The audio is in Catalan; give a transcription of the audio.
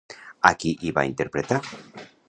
A qui hi va interpretar?